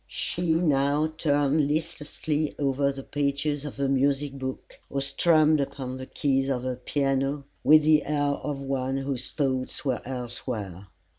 She now turned listlessly over the pages of her music book, or strummed upon the keys of her piano, with the air of one whose thoughts were elsewhere.